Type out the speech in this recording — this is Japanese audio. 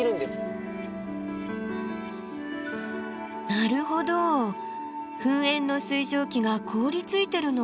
なるほど噴煙の水蒸気が凍りついてるのか。